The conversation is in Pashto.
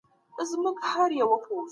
د ماشوم ذهن ته وده ورکړئ.